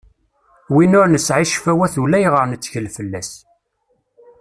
Win ur nesɛi ccfawat ulayɣer nettkel fell-as.